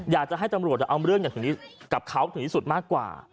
อยากจะให้ตำรวจเอาเรื่องกับเขาถึงที่สุดมากกว่า